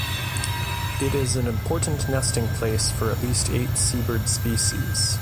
It is an important nesting place for at least eight seabird species.